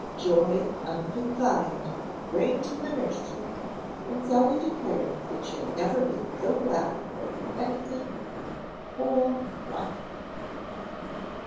Joy unconfined reigned in the nursery and Sally declared that she had never been so glad over anything in her whole life.